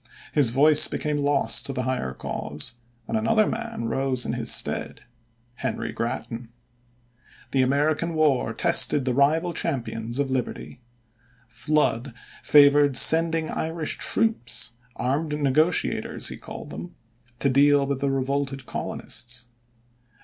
His voice became lost to the higher cause, and another man rose in his stead, Henry Grattan. The American war tested the rival champions of Liberty. Flood favored sending Irish troops, "armed negotiators" he called them, to deal with the revolted colonists.